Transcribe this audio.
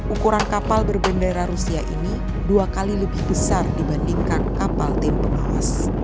ukuran kapal berbendera rusia ini dua kali lebih besar dibandingkan kapal tim pengawas